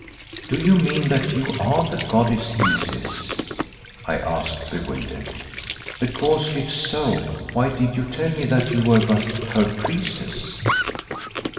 "Do you mean that you are the goddess Isis?" I asked, bewildered. "Because if so why did you tell me that you were but her priestess?"